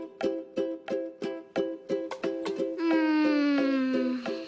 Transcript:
うん。